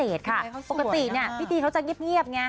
เป็นอะไรคิดว่าเขาสวยนะปกติเนี่ยพี่ทีเขาจะเงีบไง